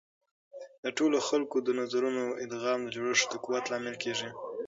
د ټولو خلکو د نظرونو ادغام د جوړښت د قوت لامل کیږي.